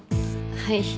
はい。